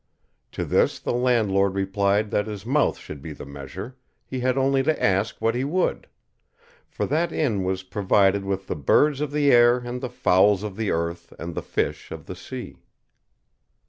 To this the landlord replied that his mouth should be the measure; he had only to ask what he would; for that inn was provided with the birds of the air and the fowls of the earth and the fish of the sea.